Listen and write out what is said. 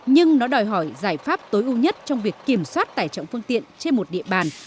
nhưng nó đòi hỏi giải pháp tối ưu nhất trong việc kiểm soát tải trọng phương tiện trên một địa bàn